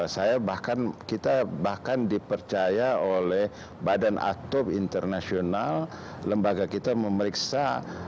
saya bahkan kita bahkan dipercaya oleh badan atop internasional lembaga kita memeriksa